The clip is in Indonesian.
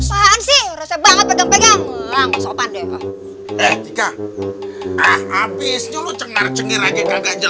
apaan sih banget pegang pegang